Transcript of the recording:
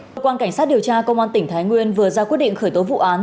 cơ quan cảnh sát điều tra công an tỉnh thái nguyên vừa ra quyết định khởi tố vụ án